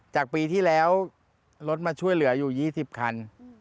จากปีที่แล้วรถมาช่วยเหลืออยู่๒๐คัน